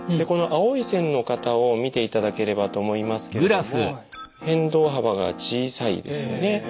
この青い線の方を見ていただければと思いますけれども変動幅が小さいですよね。